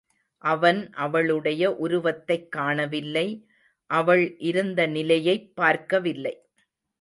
அவன் அவளுடைய உருவத்தைக் காணவில்லை, அவள் இருந்த நிலையைப் பார்க்கவில்லை.